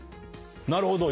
なるほど。